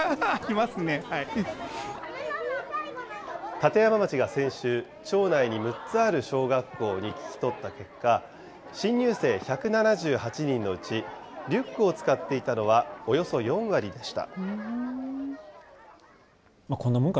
立山町が先週、町内に６つある小学校に聞き取った結果、新入生１７８人のうち、リュックを使っていたのはおよそ４割でした。